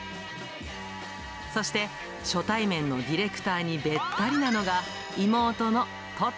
そして初対面のディレクターにべったりなのが、妹のトト。